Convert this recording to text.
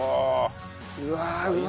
うわうま